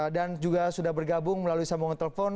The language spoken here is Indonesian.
dan juga sudah bergabung melalui sambungan telepon